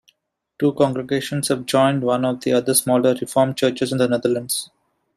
Two congregations have joined one of the other smaller Reformed churches in the Netherlands.